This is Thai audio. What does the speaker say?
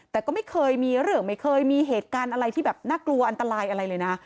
แต่ก็ไม่เคยมีเรื่องไม่เคยมีเหตุการณ์อะไรที่แบบน่ากลัวอันตรายอะไรเลยนะ